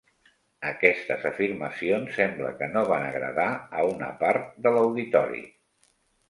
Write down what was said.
Aquestes afirmacions sembla que no van agradar a una part de l'auditori.